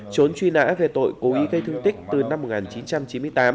trốn truy nã về tội cố ý gây thương tích từ năm một nghìn chín trăm chín mươi tám